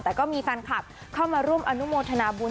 แต่ก็มีแฟนคลับเข้ามาร่วมอนุโมทนาบุญ